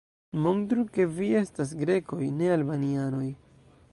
Montru, ke vi estas Grekoj, ne Albanianoj!